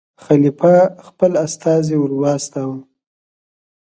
خلیفه خپل استازی ور واستاوه.